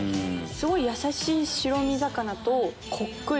すごいやさしい白身魚と。